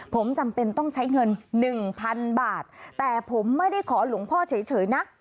ผมจำเป็นต้องใช้เงิน๑๐๐๐บาทแต่ผมไม่ได้ขอหลวงพ่อเฉยนะ